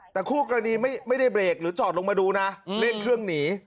แต่คู่กรณีไม่ได้เบรกหรือจอดลงมาดูนะรีบเครื่องหนี